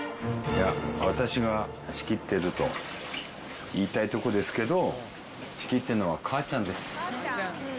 私が仕切ってると言いたいとこですけど、仕切ってるのは母ちゃんです。